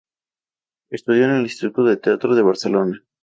Estudió en el Instituto del Teatro de Barcelona.